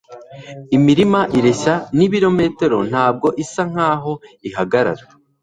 imirima ireshya n'ibirometero, ntabwo isa nkaho ihagarara